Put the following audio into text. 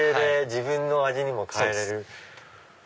自分の味にも変えられる。